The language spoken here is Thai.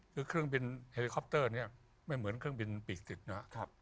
คือเครื่องบินเฮลิคอปเตอร์นี้ไม่เหมือนเครื่องบินปีกติดนะครับ